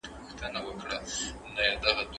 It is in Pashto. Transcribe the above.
انارګل په خپل اوږد لرګي سره رمه کنټرول کړه.